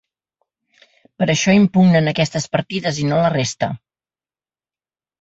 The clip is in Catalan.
Per això impugnen aquestes partides i no la resta.